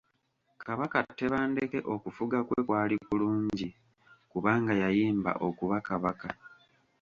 Kabaka Tebandeke okufuga kwe tekwali kulungi, kubanga yayimba okuba kabaka.